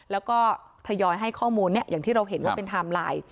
แล้วก็ทยอยให้ข้อมูลอย่างที่เราเห็นว่าเป็นไทม์ไลน์